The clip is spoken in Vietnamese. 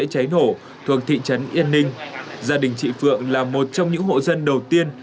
công an thị trấn yên ninh gia đình chị phượng là một trong những hộ dân đầu tiên